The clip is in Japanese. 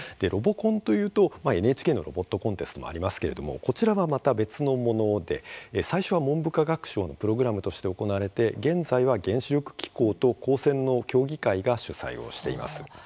ロボコンというとＮＨＫのロボットコンテストもありますけれどもこちらはまた別のもので最初は文部科学省のプログラムとして行われ現在は原子力機構と高専の協議会が主催をしています。